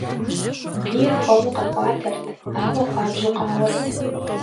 Бийр хуэму къэкӏуатэрт, ауэ хуабжьу къауэрт.